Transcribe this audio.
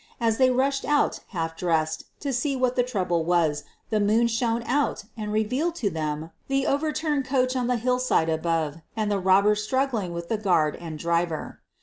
As they rushed out half dressed to see what the trouble was the moon shone out and revealed to them the overturned coach on the hillside above and the robbers struggling with the guard and driver.